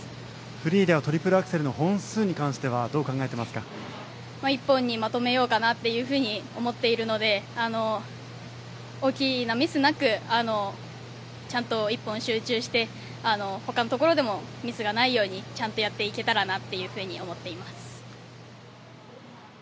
フリーではトリプルアクセルの本数に関しては１本にまとめようかなと思っているので、大きなミスなくちゃんと１本集中して他のところでもミスがないようにちゃんとやっていけたらなと思っています。